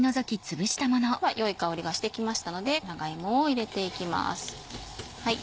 ではよい香りがしてきましたので長芋を入れていきます。